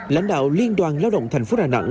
lãnh đạo liên đoàn lao động thành phố đà nẵng